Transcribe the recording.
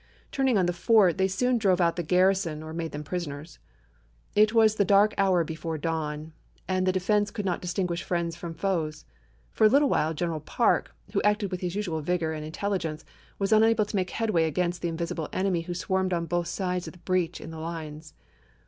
Turning on the fort, they soon drove out the garrison or made them prisoners. It was the dark hour before dawn, and the defense could not distinguish friends from foes ; for a little while General Parke, who acted with his usual vigor and intelligence, was unable to make headway against the invisible enemy who swarmed on both sides of the breach in the lines.